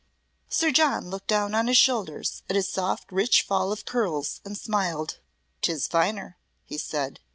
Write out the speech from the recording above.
Sir John looked down on his shoulders at his soft rich fall of curls and smiled. "'Tis finer," he said.